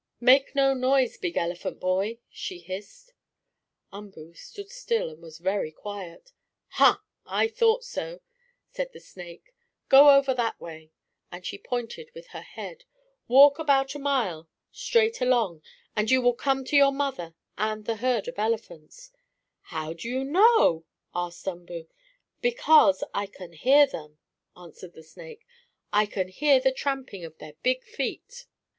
"Make no noise, big elephant boy!" she hissed. Umboo stood still and was very quiet. "Ha! I thought so!" said the snake. "Go over that way," and she pointed with her head. "Walk about a mile, straight along, and you will come to your mother and the herd of elephants." "How do you know?" asked Umboo. "Because I can hear them," answered the snake. "I can hear the tramping of their big feet.